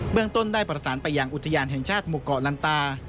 เมืองต้นได้ประสานไปยังอุทยานแห่งชาติหมู่เกาะลันตา